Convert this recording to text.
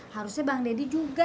harusnya bang deddy juga